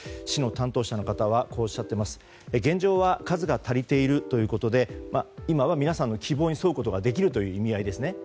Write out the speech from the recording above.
市の担当者の方は現状は数が足りているということで今は皆さんの希望に沿うことができるという意味合いです。